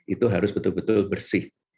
itu harus betul betul bersih